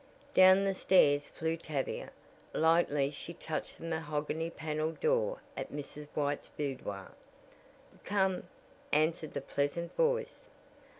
Down the stairs flew Tavia. Lightly she touched the mahogany paneled door at Mrs. White's boudoir. "Come," answered the pleasant voice.